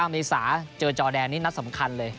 เมษาเจอจอแดนนี่นัดสำคัญเลย